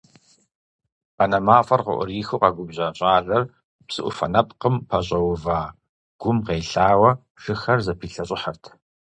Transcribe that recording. Банэ мафӀэр къыӀурихыу къэгубжьа щӀалэр псыӀуфэ нэпкъым пэщӀэува гум къелъауэ, шыхэр зэпилъэщӀыхьырт.